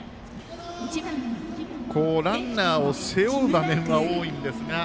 ランナーを背負う場面が多いんですが。